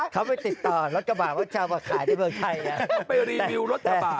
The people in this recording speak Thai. ช่วยพี่ม้าไปรีวิวรถกระบะ